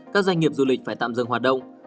các doanh nghiệp du lịch phải tạm dừng hoạt động